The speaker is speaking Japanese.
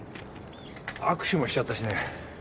握手もしちゃったしね。